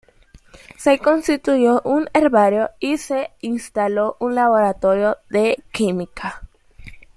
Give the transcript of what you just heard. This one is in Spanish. Se constituyó un herbario y se instaló un laboratorio de química.